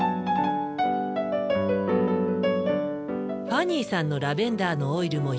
ファニーさんのラベンダーのオイルも１滴。